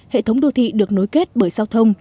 hệ thống đô thị được nối kết bởi sau đó